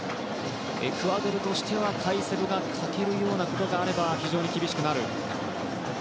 エクアドルとしては、カイセドが欠けるようなことがあれば非常に厳しくなる。